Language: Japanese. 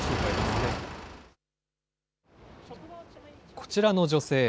こちらの女性。